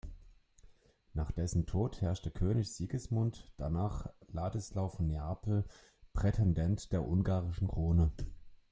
Nach dessen Tod herrschte König Sigismund, danach Ladislaus von Neapel, Prätendent der ungarischen Krone.